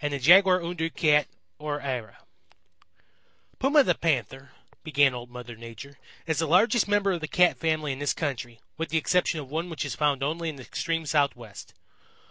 CHAPTER XXX Some Big and Little Cat Cousins "Puma the Panther," began Old Mother Nature, "is the largest member of the Cat family in this country, with the exception of one which is found only in the extreme Southwest.